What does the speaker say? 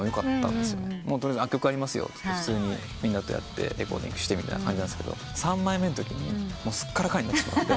曲ありますよっつって普通にみんなとやってレコーディングしてみたいな感じなんですが３枚目のときにすっからかんになってしまって。